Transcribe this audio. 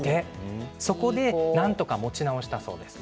そこで、なんとか持ち直したそうです。